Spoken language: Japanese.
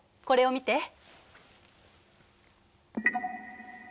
これを見て。